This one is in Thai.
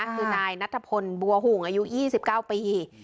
คือนายนัทพลบัวหุ่งอายุ๒๙ปี